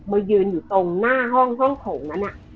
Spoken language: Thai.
มายืนอยู่ตรงหน้าห้องห้องโถงนั้น